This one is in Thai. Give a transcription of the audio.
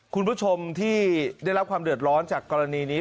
คุณผู้ชมที่ได้รับความเดือดร้อนจากกรณีนี้